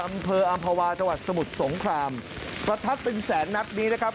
อำเภออำภาวาจังหวัดสมุทรสงครามประทัดเป็นแสนนัดนี้นะครับ